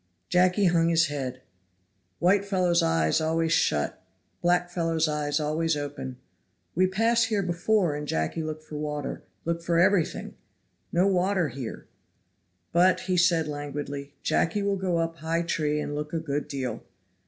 Jacky hung his head. "White fellow's eyes always shut; black fellow's always open. We pass here before and Jacky look for water look for everything. No water here. But," said he languidly, "Jacky will go up high tree and look a good deal."